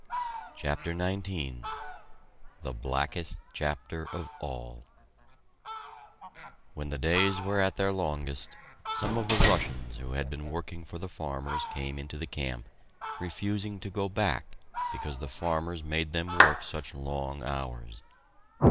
CHAPTER XIX THE BLACKEST CHAPTER OF ALL When the days were at their longest, some of the Russians who had been working for the farmers came into camp, refusing to go back because the farmers made them work such long hours.